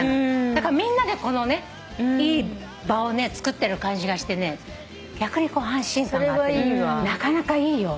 だからみんなでこのねいい場をつくってる感じがして逆に安心感があってねなかなかいいよ。